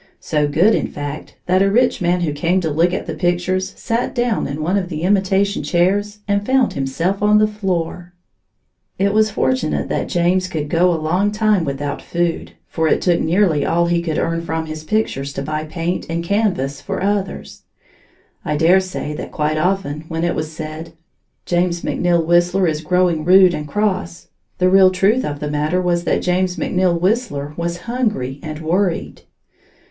So good, in fact, that a rich man who came to look at the pictures sat down in one of the imitation chairs and found himself on the floor. It was fortunate that James could go a long time without food, for it took nearly all he could earn from his pictures to buy paint and canvas for others. I dare say that quite often when it was said: "James McNeill Whistler is growing rude and cross," the real truth of the matter was that James McNeill Whistler was hungry and worried.